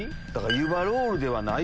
湯葉ロールではない？